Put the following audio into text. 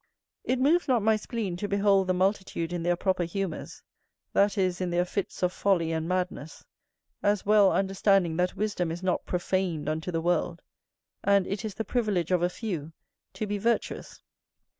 It moves not my spleen to behold the multitude in their proper humours; that is, in their fits of folly and madness, as well understanding that wisdom is not profaned unto the world; and it is the privilege of a few to be virtuous.